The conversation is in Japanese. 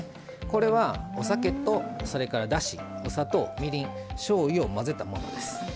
これはお酒とそれからだしお砂糖みりんしょうゆを混ぜたものです。